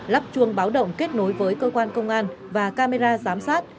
lắp chuông báo động kết nối với cơ quan công an và camera giám sát